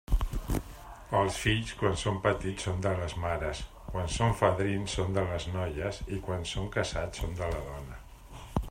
Els fills, quan són petits són de les mares, quan són fadrins són de les noies i quan són casats són de la dona.